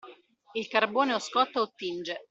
Il carbone o scotta o tinge.